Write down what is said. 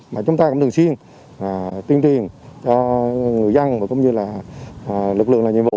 mà chúng ta cũng thường xuyên tuyên truyền cho người dân và cũng như là lực lượng làm nhiệm vụ